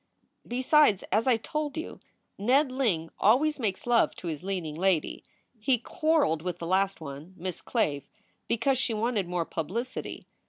"Besides, as I told you, Ned Ling always makes love to his leading lady. He quarreled with the last one, Miss Clave, because she wanted more publicity.